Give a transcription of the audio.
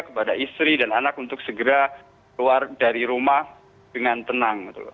kepada istri dan anak untuk segera keluar dari rumah dengan tenang